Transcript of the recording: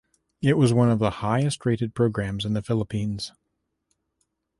It was one of the highest rated programs in the Philippines.